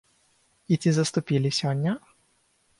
І ці заступілі сёння?